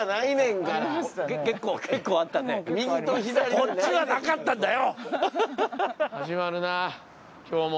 こっちはなかったんだよ！